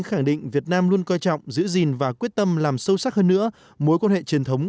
khẳng định việt nam luôn coi trọng giữ gìn và quyết tâm làm sâu sắc hơn nữa mối quan hệ truyền thống